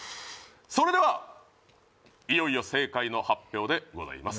それではいよいよ正解の発表でございます